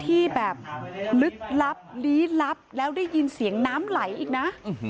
ที่แบบลึกลับลี้ลับแล้วได้ยินเสียงน้ำไหลอีกนะ